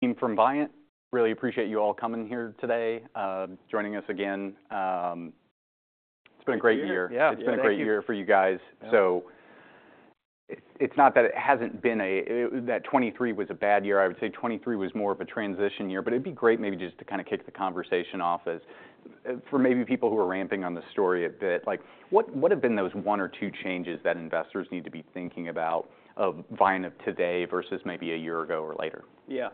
Team from Viant. Really appreciate you all coming here today, joining us again. It's been a great year. Yeah, yeah. It's been a great year for you guys. So it's not that it hasn't been that 2023 was a bad year. I would say 2023 was more of a transition year. But it'd be great maybe just to kinda kick the conversation off as for maybe people who are ramping on the story a bit, like, what have been those one or two changes that investors need to be thinking about of Viant of today versus maybe a year ago or later? Yeah.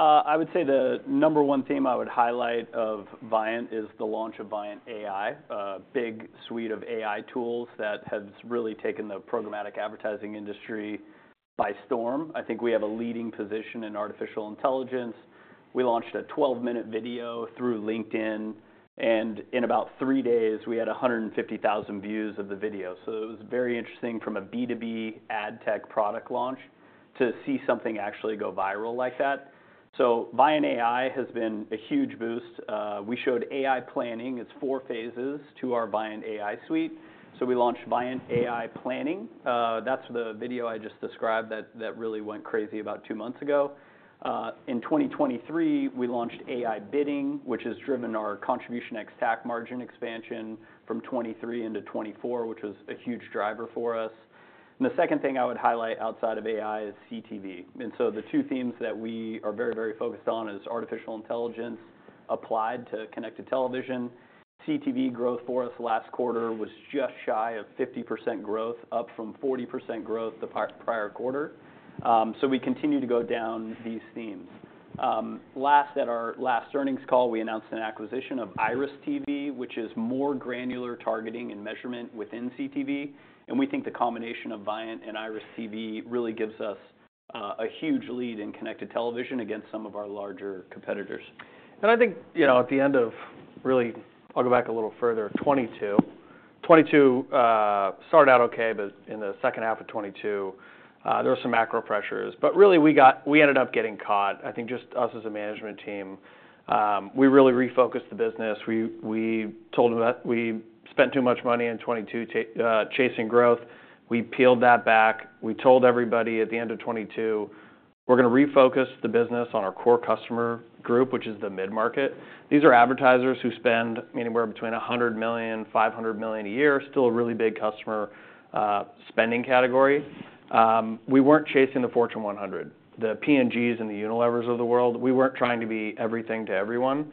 I would say the number one theme I would highlight of Viant is the launch of Viant AI, a big suite of AI tools that has really taken the programmatic advertising industry by storm. I think we have a leading position in artificial intelligence. We launched a 12-minute video through LinkedIn, and in about three days, we had 150,000 views of the video, so it was very interesting from a B2B ad tech product launch to see something actually go viral like that, so Viant AI has been a huge boost. We showed AI planning. It's four phases to our Viant AI suite, so we launched Viant AI Planning. That's the video I just described that really went crazy about two months ago. In 2023, we launched AI Bidding, which has driven our contribution ex-TAC margin expansion from 2023 into 2024, which was a huge driver for us. And the second thing I would highlight outside of AI is CTV. And so the two themes that we are very, very focused on is artificial intelligence applied to connected television. CTV growth for us last quarter was just shy of 50% growth, up from 40% growth the prior quarter. So we continue to go down these themes. In our last earnings call, we announced an acquisition of IRIS.TV, which is more granular targeting and measurement within CTV. And we think the combination of Viant and IRIS.TV really gives us a huge lead in connected television against some of our larger competitors. I think, you know, at the end of, really, I'll go back a little further, 2022, 2022, started out okay. But in the second half of 2022, there were some macro pressures. But really, we ended up getting caught. I think just us as a management team, we really refocused the business. We told them that we spent too much money in 2022, chasing growth. We peeled that back. We told everybody at the end of 2022, "We're gonna refocus the business on our core customer group, which is the mid-market." These are advertisers who spend anywhere between $100 million-$500 million a year, still a really big customer, spending category. We weren't chasing the Fortune 100, the P&Gs and the Unilevers of the world. We weren't trying to be everything to everyone.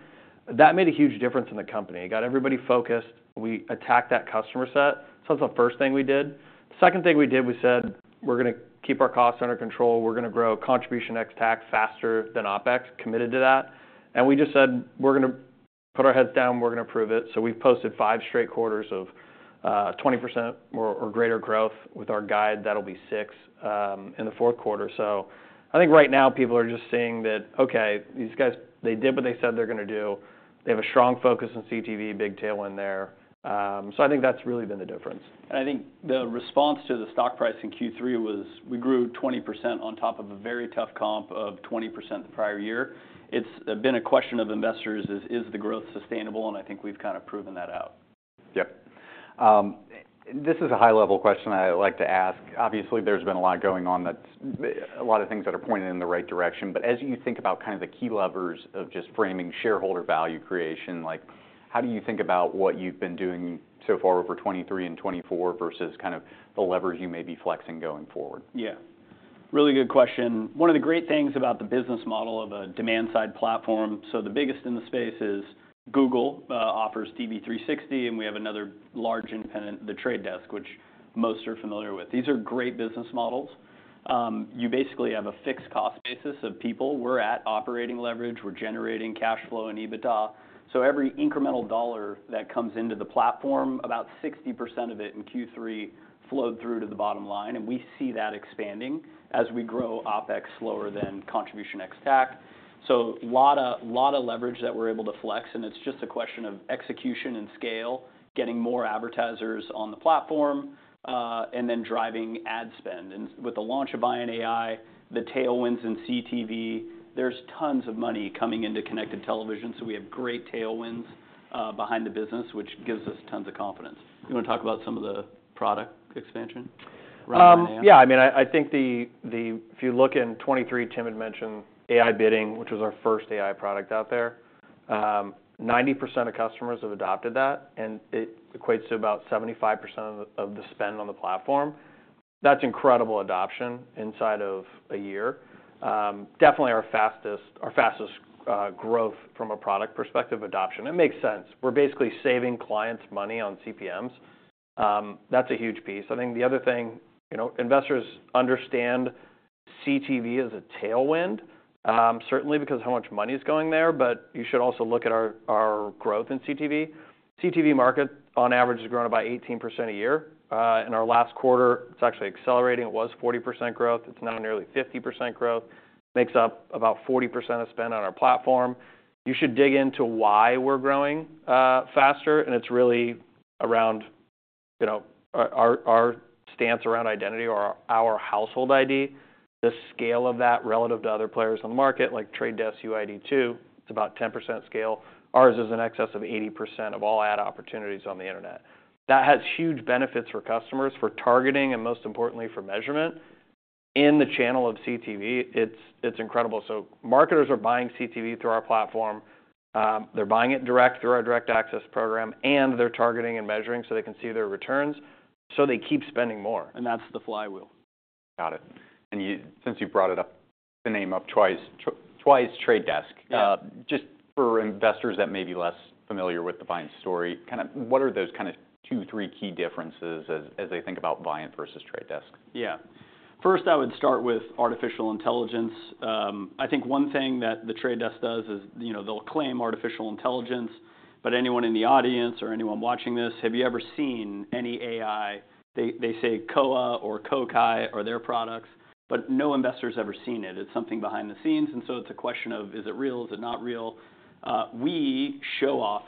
That made a huge difference in the company. It got everybody focused. We attacked that customer set. So that's the first thing we did. The second thing we did, we said, "We're gonna keep our costs under control. We're gonna grow contribution ex-TAC faster than OpEx." Committed to that. And we just said, "We're gonna put our heads down. We're gonna prove it." So we've posted five straight quarters of 20% or greater growth with our guide. That'll be six in the fourth quarter. So I think right now people are just seeing that, "Okay. These guys, they did what they said they're gonna do. They have a strong focus on CTV, big tailwind there." So I think that's really been the difference. And I think the response to the stock price in Q3 was we grew 20% on top of a very tough comp of 20% the prior year. It's been a question of investors is, "Is the growth sustainable?" And I think we've kinda proven that out. Yep. This is a high-level question I like to ask. Obviously, there's been a lot going on that a lot of things that are pointed in the right direction. But as you think about kind of the key levers of just framing shareholder value creation, like, how do you think about what you've been doing so far over 2023 and 2024 versus kind of the levers you may be flexing going forward? Yeah. Really good question. One of the great things about the business model of a demand-side platform, so the biggest in the space is Google, offers DV360. And we have another large independent, The Trade Desk, which most are familiar with. These are great business models. You basically have a fixed cost basis of people. We're at operating leverage. We're generating cash flow and EBITDA. So every incremental dollar that comes into the platform, about 60% of it in Q3 flowed through to the bottom line. And we see that expanding as we grow OpEx slower than contribution ex-TAC. So a lot of, a lot of leverage that we're able to flex. And it's just a question of execution and scale, getting more advertisers on the platform, and then driving ad spend. And with the launch of Viant AI, the tailwinds in CTV, there's tons of money coming into connected television. So we have great tailwinds behind the business, which gives us tons of confidence. You wanna talk about some of the product expansion around that now? Yeah. I mean, I think if you look in 2023, Tim had mentioned AI Bidding, which was our first AI product out there. 90% of customers have adopted that. And it equates to about 75% of the spend on the platform. That's incredible adoption inside of a year. Definitely our fastest growth from a product perspective adoption. It makes sense. We're basically saving clients money on CPMs. That's a huge piece. I think the other thing, you know, investors understand CTV is a tailwind, certainly because of how much money's going there. But you should also look at our growth in CTV. CTV market, on average, has grown about 18% a year. In our last quarter, it's actually accelerating. It was 40% growth. It's now nearly 50% growth. Makes up about 40% of spend on our platform. You should dig into why we're growing faster, and it's really around, you know, our stance around identity or our Household ID. The scale of that relative to other players on the market, like Trade Desk UID2, it's about 10% scale. Ours is in excess of 80% of all ad opportunities on the internet. That has huge benefits for customers, for targeting, and most importantly, for measurement. In the channel of CTV, it's incredible. So marketers are buying CTV through our platform. They're buying it direct through our Direct Access program. And they're targeting and measuring so they can see their returns. So they keep spending more. That's the flywheel. Got it. And you, since you brought it up, the name up twice, twice Trade Desk. Yeah. Just for investors that may be less familiar with the Viant story, kinda what are those kinda two, three key differences as they think about Viant versus Trade Desk? Yeah. First, I would start with artificial intelligence. I think one thing that The Trade Desk does is, you know, they'll claim artificial intelligence. But anyone in the audience or anyone watching this, have you ever seen any AI? They say Koa is their product. But no investor's ever seen it. It's something behind the scenes, and so it's a question of, is it real? Is it not real? We show off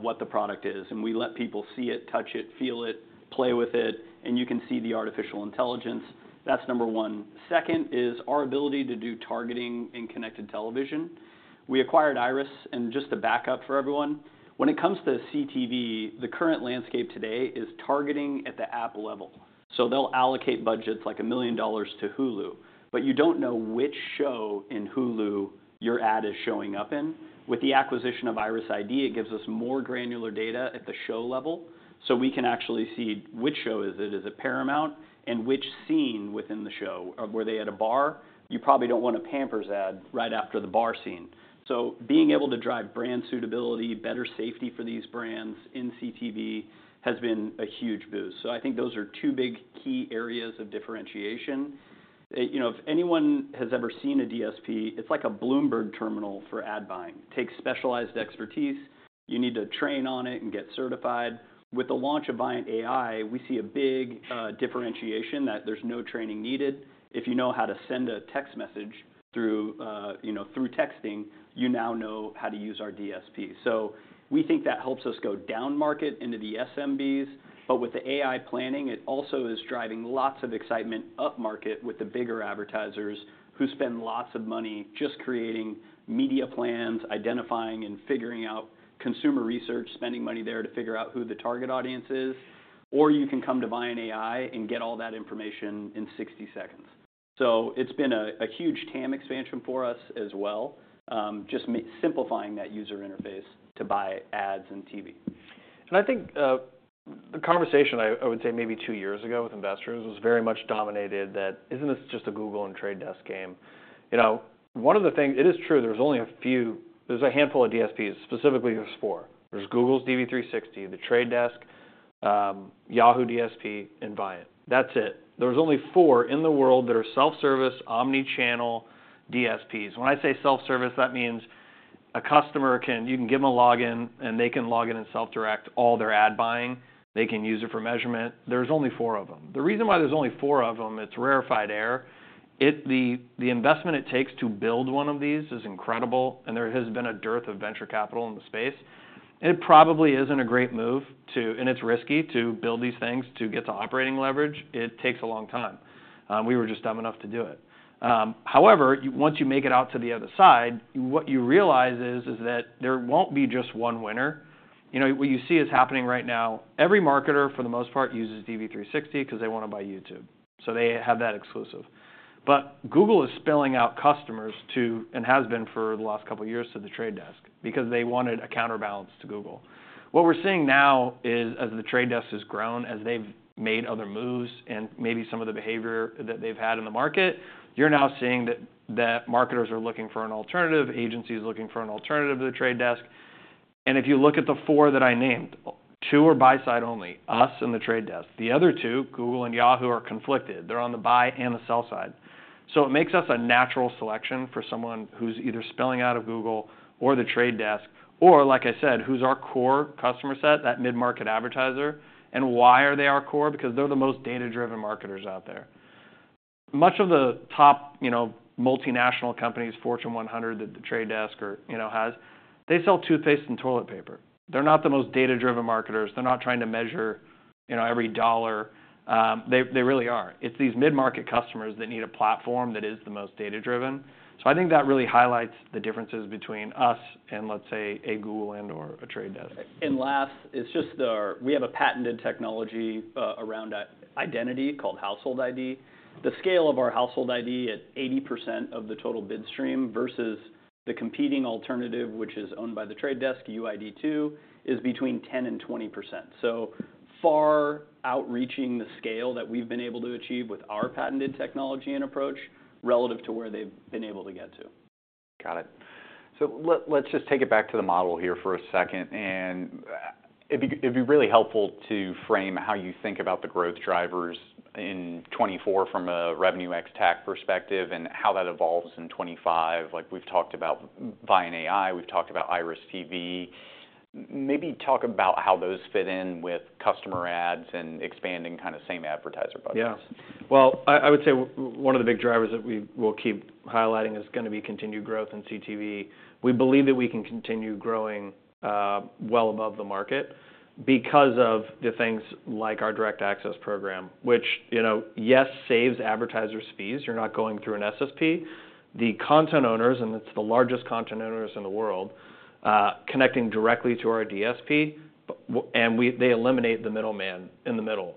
what the product is, and we let people see it, touch it, feel it, play with it, and you can see the artificial intelligence. That's number one. Second is our ability to do targeting in connected television. We acquired IRIS.TV, and just to back up for everyone, when it comes to CTV, the current landscape today is targeting at the app level. So they'll allocate budgets like $1 million to Hulu. But you don't know which show in Hulu your ad is showing up in. With the acquisition of IRIS_ID, it gives us more granular data at the show level. So we can actually see which show is it. Is it Paramount? And which scene within the show? Were they at a bar? You probably don't want a Pampers ad right after the bar scene. So being able to drive brand suitability, better safety for these brands in CTV has been a huge boost. So I think those are two big key areas of differentiation. You know, if anyone has ever seen a DSP, it's like a Bloomberg Terminal for ad buying. It takes specialized expertise. You need to train on it and get certified. With the launch of Viant AI, we see a big differentiation that there's no training needed. If you know how to send a text message through, you know, through texting, you now know how to use our DSP. So we think that helps us go down market into the SMBs. But with the AI planning, it also is driving lots of excitement up market with the bigger advertisers who spend lots of money just creating media plans, identifying and figuring out consumer research, spending money there to figure out who the target audience is. Or you can come to Viant AI and get all that information in 60 seconds. So it's been a huge TAM expansion for us as well, just simplifying that user interface to buy ads and TV. I think the conversation I would say maybe two years ago with investors was very much dominated that, "Isn't this just a Google and Trade Desk game?" You know, one of the things it is true there's only a few. There's a handful of DSPs, specifically there's four. There's Google's DV360, The Trade Desk, Yahoo DSP, and Viant. That's it. There's only four of them. The reason why there's only four of them, it's rarefied air. The investment it takes to build one of these is incredible. And there has been a dearth of venture capital in the space. And it probably isn't a great move, and it's risky to build these things to get to operating leverage. It takes a long time. We were just dumb enough to do it. However, once you make it out to the other side, what you realize is that there won't be just one winner. You know, what you see is happening right now. Every marketer, for the most part, uses DV360 'cause they wanna buy YouTube. So they have that exclusive. But Google is steering customers to The Trade Desk and has been for the last couple of years because they wanted a counterbalance to Google. What we're seeing now is, as The Trade Desk has grown, as they've made other moves and maybe some of the behavior that they've had in the market, you're now seeing that marketers are looking for an alternative, agencies looking for an alternative to The Trade Desk. And if you look at the four that I named, two are buy-side only, us and The Trade Desk. The other two, Google and Yahoo, are conflicted. They're on the buy and the sell side. So it makes us a natural selection for someone who's either spilling out of Google or The Trade Desk or, like I said, who's our core customer set, that mid-market advertiser. And why are they our core? Because they're the most data-driven marketers out there. Much of the top, you know, multinational companies, Fortune 100, that The Trade Desk or, you know, has, they sell toothpaste and toilet paper. They're not the most data-driven marketers. They're not trying to measure, you know, every dollar. They really are. It's these mid-market customers that need a platform that is the most data-driven. So I think that really highlights the differences between us and, let's say, a Google and/or a Trade Desk. Last, it's just we have a patented technology around identity called Household ID. The scale of our Household ID at 80% of the total bid stream versus the competing alternative, which is owned by The Trade Desk, UID2, is between 10% and 20%. So far outreaching the scale that we've been able to achieve with our patented technology and approach relative to where they've been able to get to. Got it. So let's just take it back to the model here for a second. And it'd be really helpful to frame how you think about the growth drivers in 2024 from a revenue ex-TAC perspective and how that evolves in 2025. Like, we've talked about Viant AI. We've talked about IRIS.TV. Maybe talk about how those fit in with customer ads and expanding kinda same advertiser budgets. Yeah. Well, I, I would say one of the big drivers that we will keep highlighting is gonna be continued growth in CTV. We believe that we can continue growing, well above the market because of the things like our Direct Access program, which, you know, yes, saves advertisers fees. You're not going through an SSP. The content owners, and it's the largest content owners in the world, connecting directly to our DSP. And they eliminate the middleman in the middle.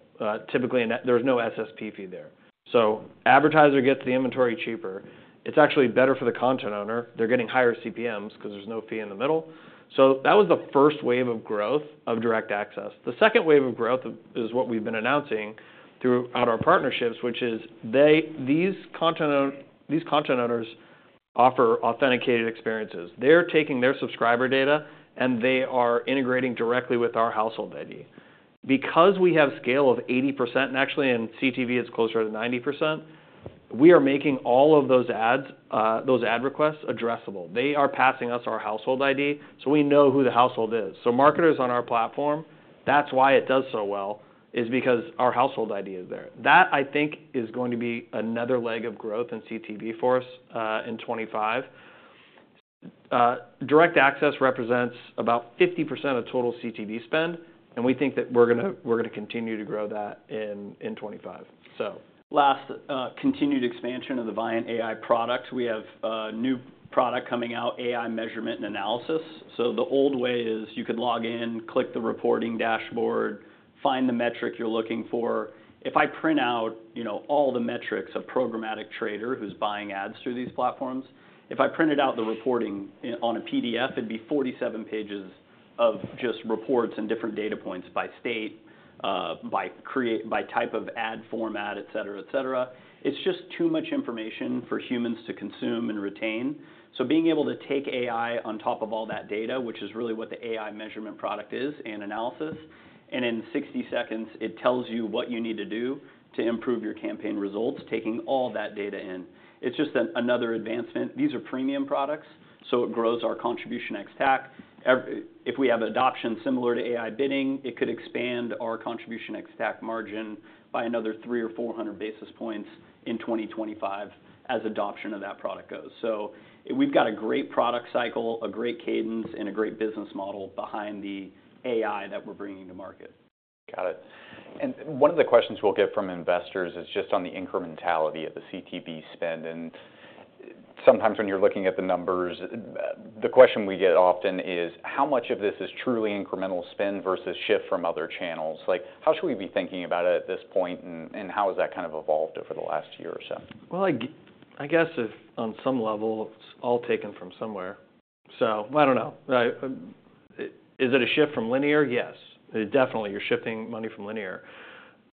Typically, in that, there's no SSP fee there. So advertiser gets the inventory cheaper. It's actually better for the content owner. They're getting higher CPMs 'cause there's no fee in the middle. So that was the first wave of growth of Direct Access. The second wave of growth is what we've been announcing throughout our partnerships, which is these content owners offer authenticated experiences. They're taking their subscriber data, and they are integrating directly with our Household ID. Because we have scale of 80%, and actually in CTV, it's closer to 90%, we are making all of those ads, those ad requests addressable. They are passing us our Household ID, so we know who the household is. So marketers on our platform, that's why it does so well, is because our Household ID is there. That, I think, is going to be another leg of growth in CTV for us, in 2025. Direct Access represents about 50% of total CTV spend. We think that we're gonna continue to grow that in 2025. So. Lastly, continued expansion of the Viant AI product. We have a new product coming out, AI Measurement and Analysis. So the old way is you could log in, click the reporting dashboard, find the metric you're looking for. If I print out, you know, all the metrics of programmatic trader who's buying ads through these platforms, if I printed out the reporting and on a PDF, it'd be 47 pages of just reports and different data points by state, by creative, by type of ad format, etc., etc. It's just too much information for humans to consume and retain. So being able to take AI on top of all that data, which is really what the AI Measurement product is and analysis, and in 60 seconds, it tells you what you need to do to improve your campaign results, taking all that data in. It's just another advancement. These are premium products. So it grows our contribution ex-TAC. Even if we have adoption similar to AI Bidding, it could expand our contribution ex-TAC margin by another three or 400 basis points in 2025 as adoption of that product goes. So we've got a great product cycle, a great cadence, and a great business model behind the AI that we're bringing to market. Got it. And one of the questions we'll get from investors is just on the incrementality of the CTV spend. And sometimes when you're looking at the numbers, the question we get often is, how much of this is truly incremental spend versus shift from other channels? Like, how should we be thinking about it at this point? And how has that kind of evolved over the last year or so? I guess if on some level, it's all taken from somewhere. So I don't know. Is it a shift from linear? Yes. It definitely you're shifting money from linear.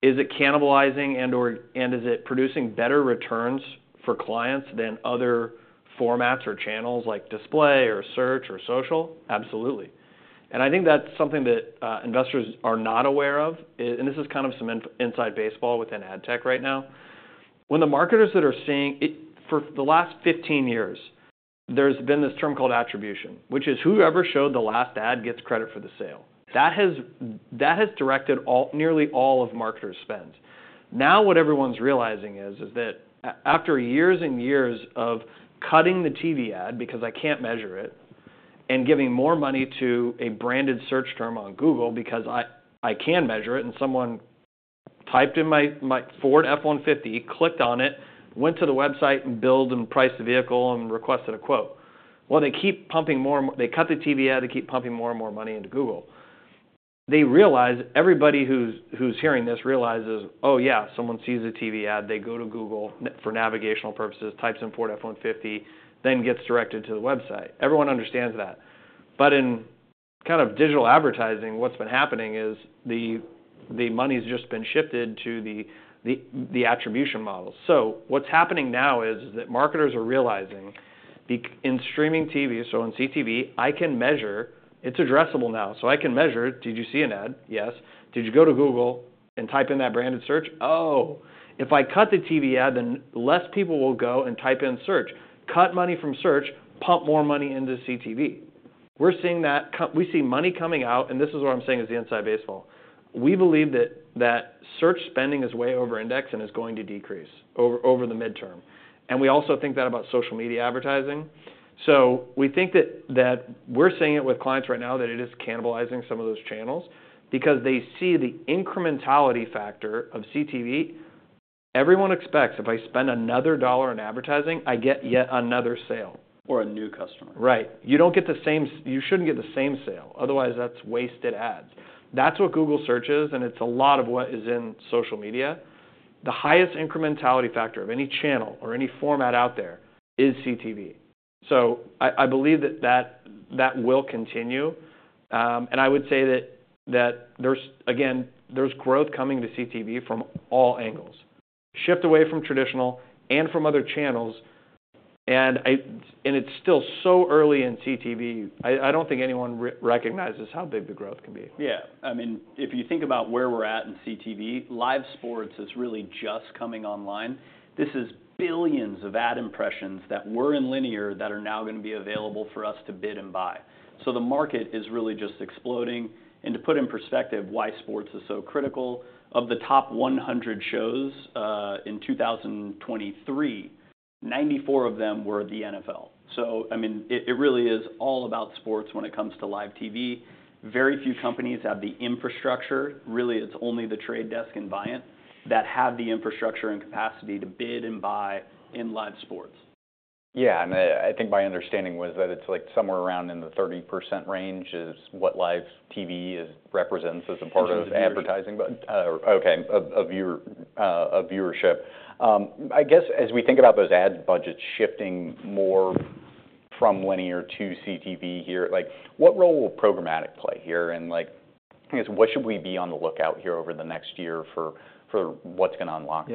Is it cannibalizing and/or is it producing better returns for clients than other formats or channels like display or search or social? Absolutely. And I think that's something that investors are not aware of. And this is kind of inside baseball within ad tech right now. When the marketers that are seeing it for the last 15 years, there's been this term called attribution, which is whoever showed the last ad gets credit for the sale. That has directed nearly all of marketers' spend. Now what everyone's realizing is that after years and years of cutting the TV ad because I can't measure it and giving more money to a branded search term on Google because I can measure it and someone typed in my Ford F-150, clicked on it, went to the website and built and priced the vehicle and requested a quote. Well, they keep pumping more and more. They cut the TV ad. They keep pumping more and more money into Google. They realize everybody who's hearing this realizes, "Oh, yeah, someone sees a TV ad, they go to Google for navigational purposes, types in Ford F-150, then gets directed to the website." Everyone understands that. But in kind of digital advertising, what's been happening is the money's just been shifted to the attribution model. What's happening now is that marketers are realizing, being in streaming TV, so in CTV, I can measure. It's addressable now. So I can measure, "Did you see an ad?" Yes. "Did you go to Google and type in that branded search?" Oh, if I cut the TV ad, then less people will go and type in search. Cut money from search, pump more money into CTV. We're seeing that. We see money coming out. And this is what I'm saying is the inside baseball. We believe that search spending is way over index and is going to decrease over the midterm. And we also think that about social media advertising. So we think that we're seeing it with clients right now that it is cannibalizing some of those channels because they see the incrementality factor of CTV. Everyone expects if I spend another dollar in advertising, I get yet another sale. Or a new customer. Right. You don't get the same search. You shouldn't get the same sale. Otherwise, that's wasted ads. That's what Google searches. And it's a lot of what is in social media. The highest incrementality factor of any channel or any format out there is CTV. So I believe that will continue. And I would say that, again, there's growth coming to CTV from all angles, shift away from traditional and from other channels. And it's still so early in CTV. I don't think anyone recognizes how big the growth can be. Yeah. I mean, if you think about where we're at in CTV, live sports is really just coming online. This is billions of ad impressions that were in linear that are now gonna be available for us to bid and buy. So the market is really just exploding. And to put in perspective why sports is so critical, of the top 100 shows, in 2023, 94 of them were the NFL. So, I mean, it really is all about sports when it comes to live TV. Very few companies have the infrastructure. Really, it's only The Trade Desk and Viant that have the infrastructure and capacity to bid and buy in live sports. Yeah. And I think my understanding was that it's like somewhere around in the 30% range is what live TV represents as a part of advertising. It is. Okay, of your viewership. I guess as we think about those ad budgets shifting more from linear to CTV here, like, what role will programmatic play here? And like, I guess, what should we be on the lookout here over the next year for what's gonna unlock this?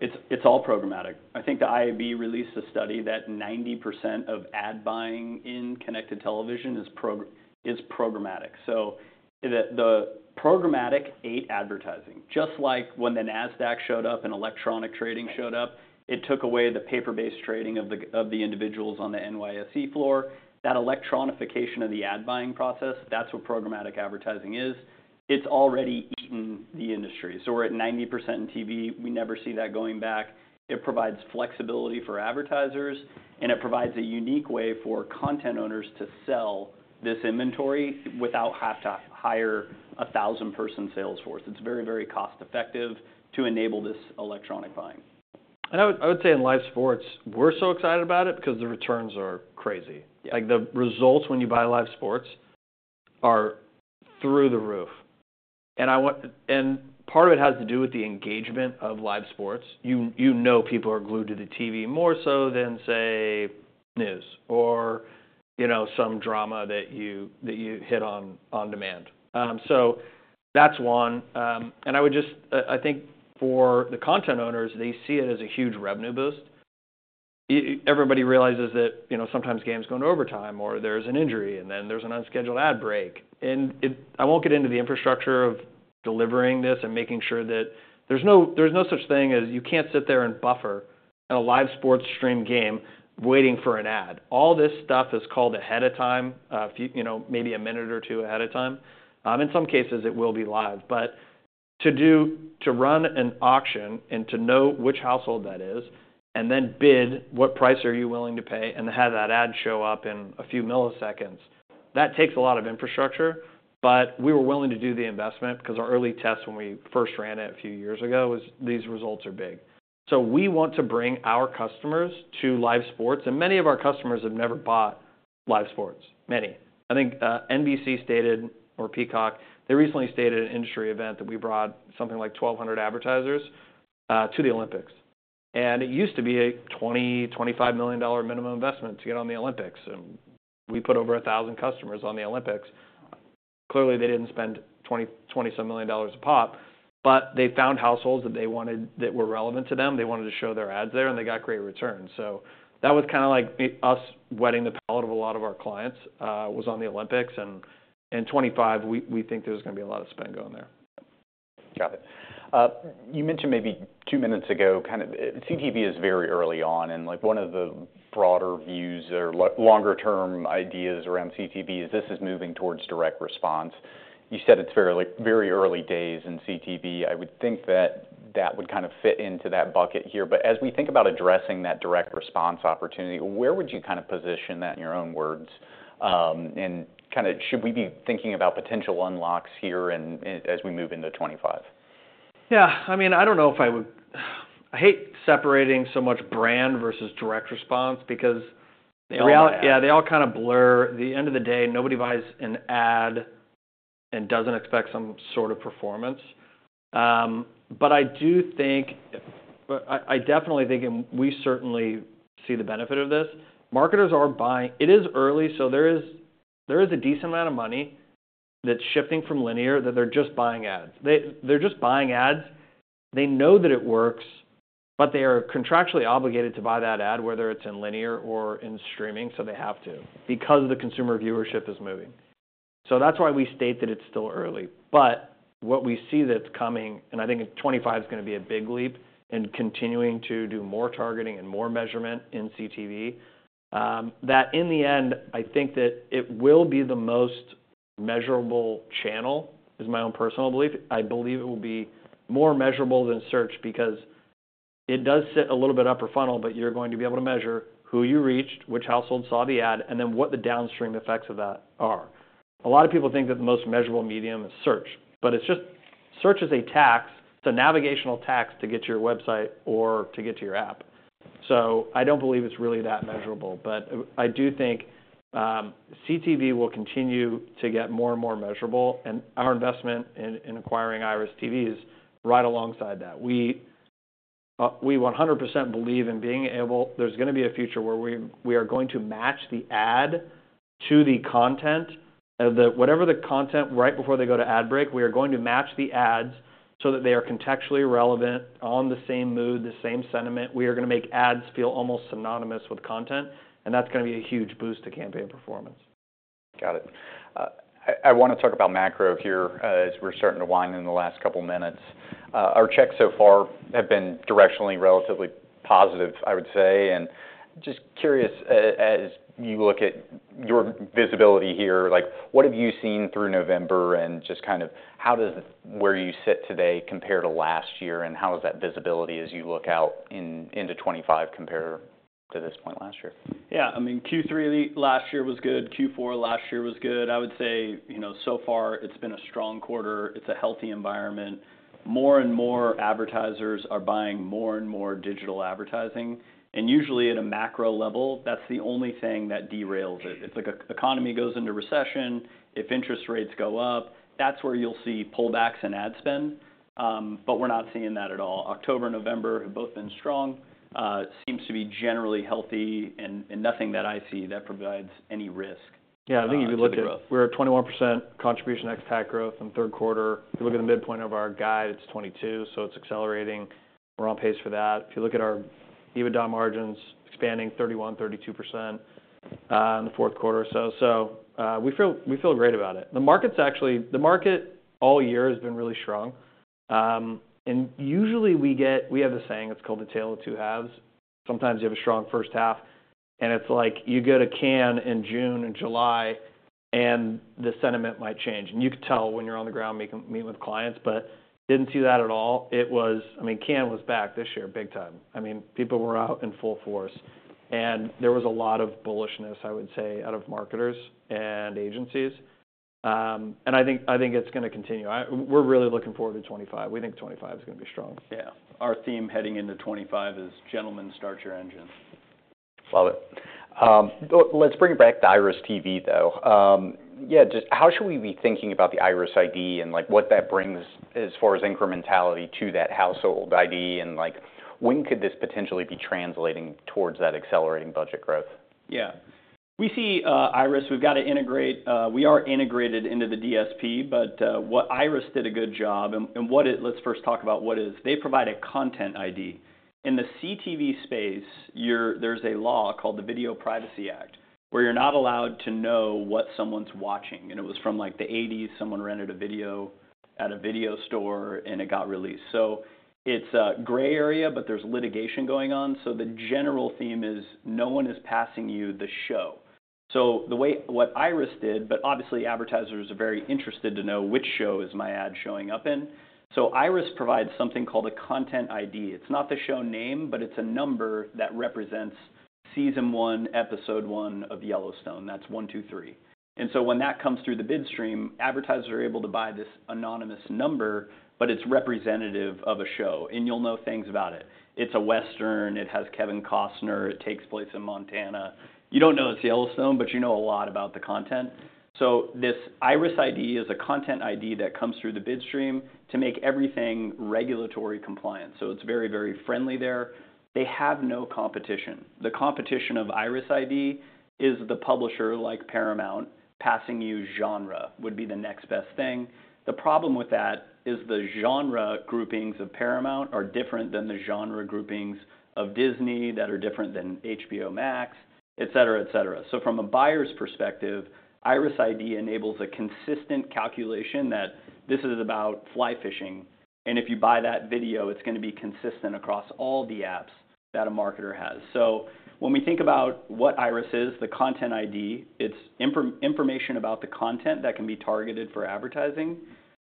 Yeah. It's all programmatic. I think the IAB released a study that 90% of ad buying in connected television is programmatic. So the programmatic advertising. Just like when the NASDAQ showed up and electronic trading showed up, it took away the paper-based trading of the individuals on the NYSE floor. That electronification of the ad buying process, that's what programmatic advertising is. It's already eaten the industry. So we're at 90% in TV. We never see that going back. It provides flexibility for advertisers, and it provides a unique way for content owners to sell this inventory without having to hire a thousand-person sales force. It's very, very cost-effective to enable this electronic buying. And I would say in live sports, we're so excited about it because the returns are crazy. Like, the results when you buy live sports are through the roof. Part of it has to do with the engagement of live sports. You know, people are glued to the TV more so than, say, news or, you know, some drama that you hit on on demand. That's one. I would just think for the content owners, they see it as a huge revenue boost. Everybody realizes that, you know, sometimes games go into overtime or there's an injury and then there's an unscheduled ad break. I won't get into the infrastructure of delivering this and making sure that there's no such thing as you can't sit there and buffer a live sports stream game waiting for an ad. All this stuff is called ahead of time, a few, you know, maybe a minute or two ahead of time. In some cases, it will be live. But to run an auction and to know which household that is and then bid, "What price are you willing to pay?" and have that ad show up in a few milliseconds, that takes a lot of infrastructure. But we were willing to do the investment because our early tests when we first ran it a few years ago was these results are big. So we want to bring our customers to live sports. And many of our customers have never bought live sports. Many. I think, NBC stated or Peacock, they recently stated an industry event that we brought something like 1,200 advertisers to the Olympics. And it used to be a $20 million-$25 million minimum investment to get on the Olympics. And we put over 1,000 customers on the Olympics. Clearly, they didn't spend 20-some million dollars to pop. But they found households that they wanted that were relevant to them. They wanted to show their ads there, and they got great returns. So that was kinda like us wetting the palate of a lot of our clients, was on the Olympics. And in 2025, we think there's gonna be a lot of spend going there. Got it. You mentioned maybe two minutes ago kind of CTV is very early on. And like, one of the broader views or longer-term ideas around CTV is this is moving towards direct response. You said it's fairly, very early days in CTV. I would think that that would kind of fit into that bucket here. But as we think about addressing that direct response opportunity, where would you kind of position that in your own words? And kinda should we be thinking about potential unlocks here and, and as we move into 2025? Yeah. I mean, I don't know if I would hate separating so much brand versus direct response because. They all. They're all, yeah, they all kinda blur. At the end of the day, nobody buys an ad and doesn't expect some sort of performance, but I do think, I definitely think, and we certainly see the benefit of this. Marketers are buying. It is early, so there is a decent amount of money that's shifting from linear that they're just buying ads. They're just buying ads. They know that it works, but they are contractually obligated to buy that ad, whether it's in linear or in streaming, so they have to because the consumer viewership is moving, so that's why we state that it's still early. But what we see that's coming and I think 2025's gonna be a big leap in continuing to do more targeting and more measurement in CTV. That in the end, I think that it will be the most measurable channel is my own personal belief. I believe it will be more measurable than search because it does sit a little bit upper funnel, but you're going to be able to measure who you reached, which household saw the ad, and then what the downstream effects of that are. A lot of people think that the most measurable medium is search, but it's just search is a tax. It's a navigational tax to get to your website or to get to your app. So I don't believe it's really that measurable. But I do think CTV will continue to get more and more measurable. And our investment in acquiring IRIS.TV is right alongside that. We 100% believe in being able there's gonna be a future where we are going to match the ad to the content of the whatever the content right before they go to ad break. We are going to match the ads so that they are contextually relevant, on the same mood, the same sentiment. We are gonna make ads feel almost synonymous with content. And that's gonna be a huge boost to campaign performance. Got it. I wanna talk about macro here, as we're starting to wind down in the last couple minutes. Our checks so far have been directionally relatively positive, I would say. And just curious, as you look at your visibility here, like, what have you seen through November and just kind of how does where you sit today compare to last year? And how is that visibility as you look out into 2025 compared to this point last year? Yeah. I mean, Q3 last year was good. Q4 last year was good. I would say, you know, so far, it's been a strong quarter. It's a healthy environment. More and more advertisers are buying more and more digital advertising. And usually at a macro level, that's the only thing that derails it. It's like the economy goes into recession. If interest rates go up, that's where you'll see pullbacks in ad spend. But we're not seeing that at all. October, November have both been strong. It seems to be generally healthy, and nothing that I see that provides any risk. Yeah. I think if you look at. It's pretty rough. We're at 21% contribution ex-TAC growth in third quarter. If you look at the midpoint of our guide, it's 22. So it's accelerating. We're on pace for that. If you look at our EBITDA margins expanding 31%-32% in the fourth quarter or so. So we feel great about it. The market's actually all year has been really strong, and usually we have a saying that's called the tale of two halves. Sometimes you have a strong first half. It's like you go to Cannes in June and July, and the sentiment might change. You could tell when you're on the ground meeting with clients. But didn't see that at all. It was, I mean, Cannes was back this year big time. I mean, people were out in full force. And there was a lot of bullishness, I would say, out of marketers and agencies. And I think it's gonna continue. We're really looking forward to 2025. We think 2025's gonna be strong. Yeah. Our theme heading into 2025 is, "Gentlemen, start your engine. Love it. Let's bring back IRIS.TV though. Yeah, just how should we be thinking about the IRIS_ID and, like, what that brings as far as incrementality to that Household ID? And, like, when could this potentially be translating towards that accelerating budget growth? Yeah. We see IRIS. We've got to integrate. We are integrated into the DSP. But what IRIS did a good job and what it. Let's first talk about what it is. They provide a Content ID. In the CTV space, you're there's a law called the Video Privacy Act where you're not allowed to know what someone's watching. It was from, like, the '80s. Someone rented a video at a video store, and it got released. So it's a gray area, but there's litigation going on. The general theme is no one is passing you the show. The way what IRIS did, but obviously advertisers are very interested to know which show is my ad showing up in. IRIS provides something called a Content ID. It's not the show name, but it's a number that represents season one, episode one of Yellowstone. That's one, two, three. And so when that comes through the bid stream, advertisers are able to buy this anonymous number, but it's representative of a show. And you'll know things about it. It's a Western. It has Kevin Costner. It takes place in Montana. You don't know it's Yellowstone, but you know a lot about the content. So this IRIS_ID is a content ID that comes through the bid stream to make everything regulatory compliant. So it's very, very friendly there. They have no competition. The competition of IRIS_ID is the publisher like Paramount passing you genre would be the next best thing. The problem with that is the genre groupings of Paramount are different than the genre groupings of Disney that are different than HBO Max, etc., etc. So from a buyer's perspective, IRIS_ID enables a consistent calculation that this is about fly fishing. And if you buy that video, it's gonna be consistent across all the apps that a marketer has. So when we think about what IRIS is, the content ID, it's information about the content that can be targeted for advertising.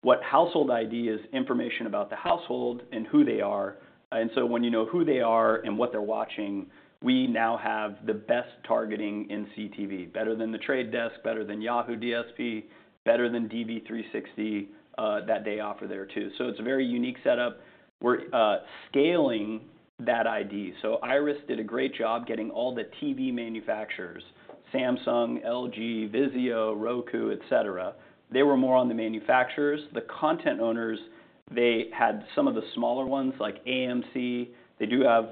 What Household ID is information about the household and who they are. And so when you know who they are and what they're watching, we now have the best targeting in CTV, better than The Trade Desk, better than Yahoo DSP, better than DV360, that they offer there too. So it's a very unique setup. We're scaling that ID. So IRIS did a great job getting all the TV manufacturers, Samsung, LG, Vizio, Roku, etc. They were more on the manufacturers. The content owners, they had some of the smaller ones like AMC. They do have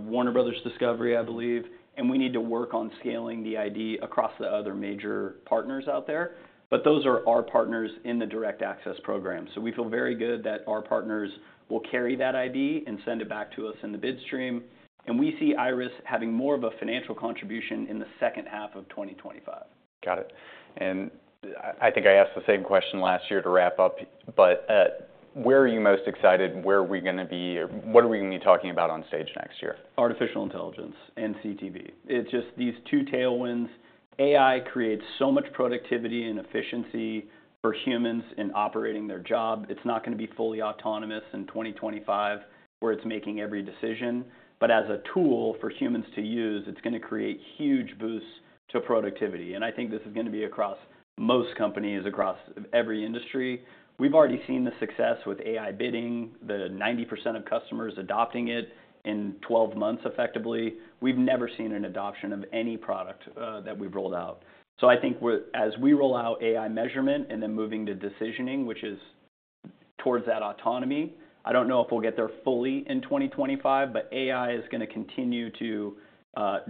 Warner Bros. Discovery, I believe. We need to work on scaling the ID across the other major partners out there. Those are our partners in the Direct Access program. We feel very good that our partners will carry that ID and send it back to us in the bid stream. We see IRIS having more of a financial contribution in the second half of 2025. Got it. And I think I asked the same question last year to wrap up. But, where are you most excited? Where are we gonna be or what are we gonna be talking about on stage next year? Artificial intelligence and CTV. It's just these two tailwinds. AI creates so much productivity and efficiency for humans in operating their job. It's not gonna be fully autonomous in 2025 where it's making every decision. But as a tool for humans to use, it's gonna create huge boosts to productivity. I think this is gonna be across most companies across every industry. We've already seen the success with AI Bidding, the 90% of customers adopting it in 12 months effectively. We've never seen an adoption of any product that we've rolled out. So I think as we roll out AI measurement and then moving to decisioning, which is towards that autonomy, I don't know if we'll get there fully in 2025, but AI is gonna continue to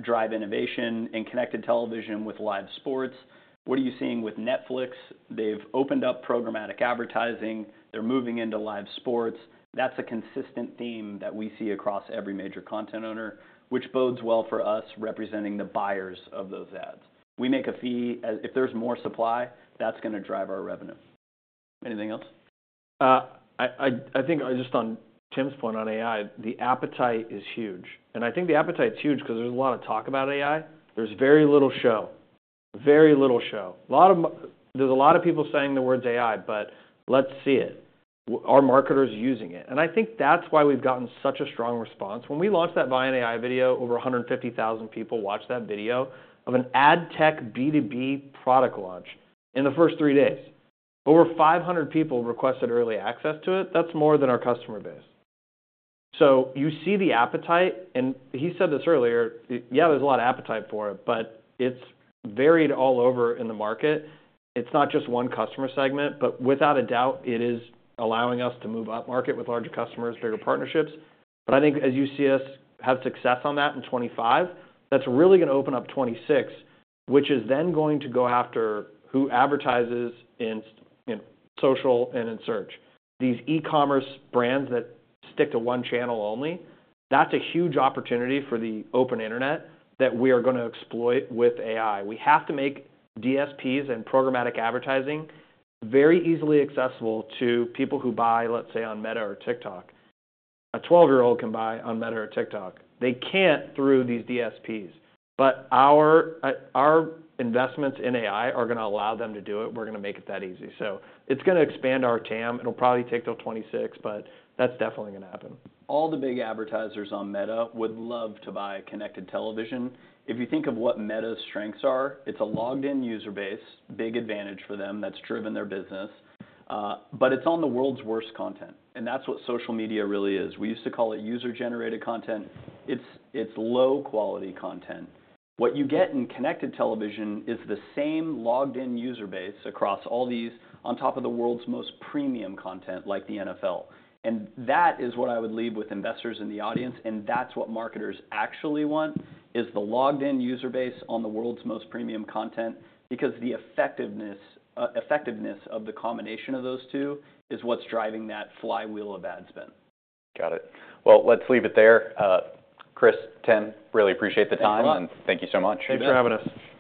drive innovation and connected television with live sports. What are you seeing with Netflix? They've opened up programmatic advertising. They're moving into live sports. That's a consistent theme that we see across every major content owner, which bodes well for us representing the buyers of those ads. We make a fee as if there's more supply, that's gonna drive our revenue. Anything else? I think, just on Tim's point on AI, the appetite is huge. And I think the appetite's huge 'cause there's a lot of talk about AI. There's very little show. A lot of people saying the words AI, but let's see it. Our marketers using it. And I think that's why we've gotten such a strong response. When we launched that Viant AI video, over 150,000 people watched that video of an ad tech B2B product launch in the first three days. Over 500 people requested early access to it. That's more than our customer base. So you see the appetite. And he said this earlier, yeah, there's a lot of appetite for it, but it's varied all over in the market. It's not just one customer segment. But without a doubt, it is allowing us to move up market with larger customers, bigger partnerships. But I think as you see us have success on that in 2025, that's really gonna open up 2026, which is then going to go after who advertises in social and in search. These e-commerce brands that stick to one channel only, that's a huge opportunity for the open internet that we are gonna exploit with AI. We have to make DSPs and programmatic advertising very easily accessible to people who buy, let's say, on Meta or TikTok. A 12-year-old can buy on Meta or TikTok. They can't through these DSPs. But our investments in AI are gonna allow them to do it. We're gonna make it that easy. So it's gonna expand our TAM. It'll probably take till 2026, but that's definitely gonna happen. All the big advertisers on Meta would love to buy connected television. If you think of what Meta's strengths are, it's a logged-in user base, big advantage for them that's driven their business. But it's on the world's worst content. And that's what social media really is. We used to call it user-generated content. It's low-quality content. What you get in connected television is the same logged-in user base across all these on top of the world's most premium content like the NFL. And that is what I would leave with investors in the audience. And that's what marketers actually want is the logged-in user base on the world's most premium content because the effectiveness of the combination of those two is what's driving that flywheel of ad spend. Got it. Well, let's leave it there. Chris, Tim, really appreciate the time. Thank you. Thank you so much. Thanks for having us.